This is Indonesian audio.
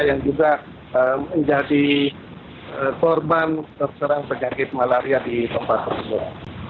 yang juga menjadi korban terserang penyakit malaria di tempat tersebut